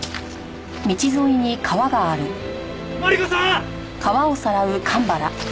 マリコさん！